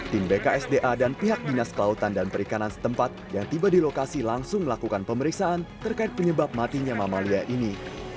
tim bksda dan pihak dinas kelautan dan perikanan setempat yang tiba di lokasi langsung melakukan pemeriksaan terkait penyebab matinya mamalia ini